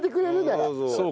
そう。